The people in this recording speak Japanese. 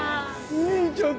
兄ちゃん